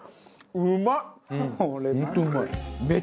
うまっ！